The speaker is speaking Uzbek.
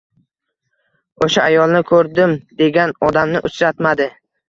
O‘sha ayolni ko‘rdim degan odamni uchratmadi